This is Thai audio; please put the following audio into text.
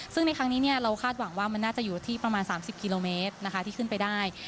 ซึ่งในครั้งนี้เราคาดหวังว่ามันน่าจะอยู่ที่ประมาณ๓๐กิโลเมตรที่ขึ้นไปได้